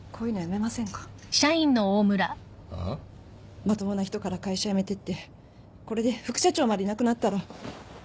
まともな人から会社辞めてってこれで副社長までいなくなったら。